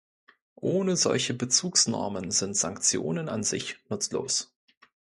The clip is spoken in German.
Ohne solche Bezugsnormen sind Sanktionen an sich nutzlos.